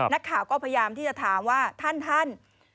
นักข่าวก็พยายามที่จะถามว่าท่าน